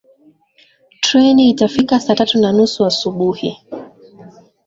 Treni itafika saa tatu na nusu asubuhi